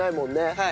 はい。